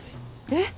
えっ！